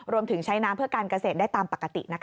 รวมถึงใช้น้ำเพื่อการเกษตรได้ตามปกติ